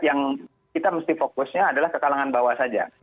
yang kita mesti fokusnya adalah ke kalangan bawah saja